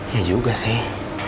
ya juga sih